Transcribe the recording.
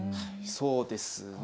そうですね。